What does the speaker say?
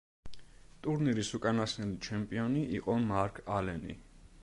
ტურნირის უკანასკნელი ჩემპიონი იყო მარკ ალენი.